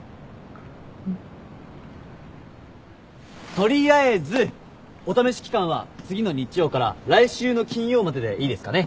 取りあえずお試し期間は次の日曜から来週の金曜まででいいですかね？